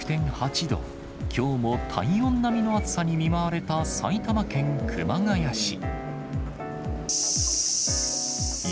きょうも体温並みの暑さに見舞われた埼玉県熊谷市。